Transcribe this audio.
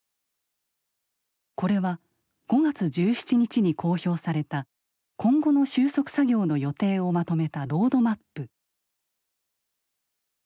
これは５月１７日に公表された今後の収束作業の予定をまとめたロードマップ。